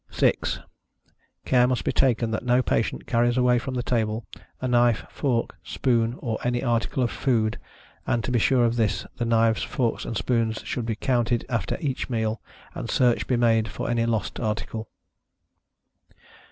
6. Care must be taken that no patient carries away from the table a knife, fork, spoon, or any article of food, and, to be sure of this, the knives, forks and spoons should be counted after each meal, and search be made for any lost article.